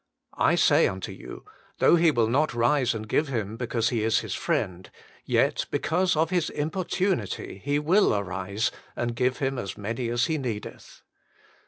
I say unto you, Though he will not rise and give him, because he is his friend, yet, because of his importunity, he will arise and give him as many as he needeth."